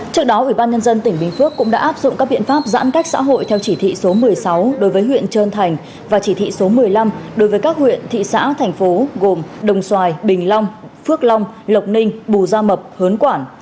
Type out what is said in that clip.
trước đó ubnd tỉnh bình phước cũng đã áp dụng các biện pháp giãn cách xã hội theo chỉ thị số một mươi sáu đối với huyện trơn thành và chỉ thị số một mươi năm đối với các huyện thị xã thành phố gồm đồng xoài bình long phước long lộc ninh bù gia mập hớn quản